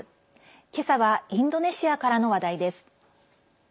けさはインドネシアからの話題です。